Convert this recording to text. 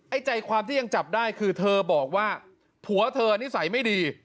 ใจความที่ยังจับได้คือเธอบอกว่าผัวเธอนิสัยไม่ดี